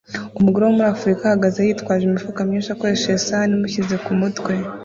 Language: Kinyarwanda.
Umugore wo muri Afurika ahagaze yitwaje imifuka myinshi akoresheje isahani imushyize ku mutwe